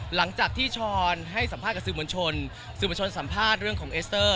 หลังจากที่ช้อนให้สัมภาษณ์กับสื่อมวลชนสื่อประชนสัมภาษณ์เรื่องของเอสเตอร์